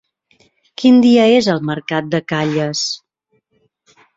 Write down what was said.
Quin dia és el mercat de Calles?